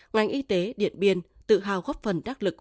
ngành y tế điện biên tự hào góp phần đắc lực